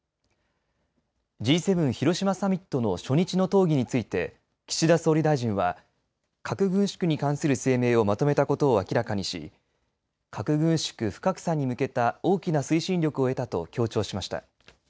Ｇ７広島サミットの初日の討議について岸田総理大臣は核軍縮に関する声明をまとめたことを明らかにし核軍縮・不拡散に向けた大きな推進力を得たと強調しました。